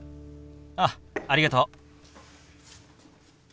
あっありがとう。